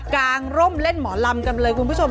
งร่มเล่นหมอลำกันเลยคุณผู้ชม